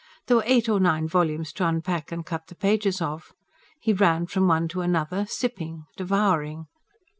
There were eight or nine volumes to unpack and cut the pages of. He ran from one to another, sipping, devouring.